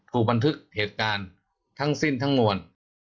ถูกบันทึกเหตุการณ์ทั้งสิ้นทั้งมวล